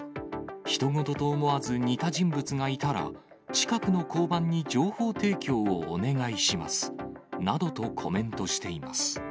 ひと事と思わず、似た人物がいたら、近くの交番に情報提供をお願いしますなどとコメントしています。